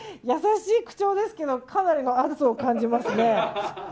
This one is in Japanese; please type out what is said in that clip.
優しい口調ですけどかなりの圧を感じますね。